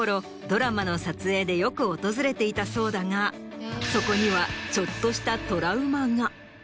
ドラマの撮影でよく訪れていたそうだがそこにはちょっとしたトラウマが。